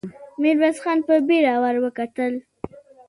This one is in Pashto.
ميرويس خان په بېړه ور وکتل.